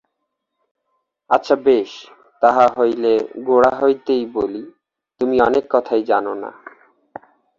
আচ্ছা বেশ, তাহা হইলে গোড়া হইতেই বলি–তুমি অনেক কথাই জান না।